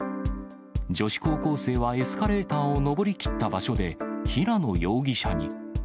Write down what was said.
女子高校生はエスカレーターを上りきった場所で平野容疑者に。